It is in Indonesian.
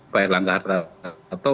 pak irlangga hartalata